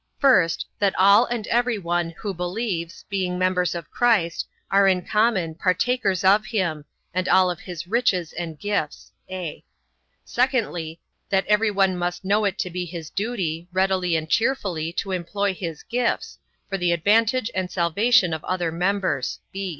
First, that all and every one, who believes, being members of Christ, are in common, partakers of him, and of all his riches and gifts; (a) secondly, that every one must know it to be his duty, readily and cheerfully to employ his gifts, for the advantage and salvation of other members.